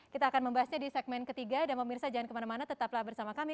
kita akan membahasnya di segmen ketiga dan pemirsa jangan kemana mana tetaplah bersama kami